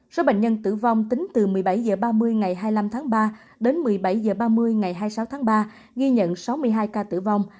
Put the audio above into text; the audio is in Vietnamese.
số bệnh nhân tử vong tính từ một mươi bảy h ba mươi ngày hai mươi năm tháng ba đến một mươi bảy h ba mươi ngày hai mươi sáu tháng ba ghi nhận sáu mươi hai ca tử vong